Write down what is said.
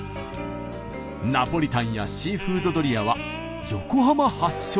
ナポリタンやシーフードドリアは横浜発祥なんです。